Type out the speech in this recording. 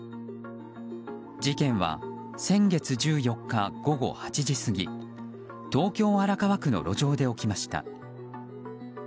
事件は先月１４日午後８時過ぎ東京・荒川区の路上で起きました。